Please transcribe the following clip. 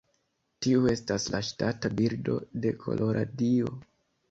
Tiu estas la ŝtata birdo de Koloradio.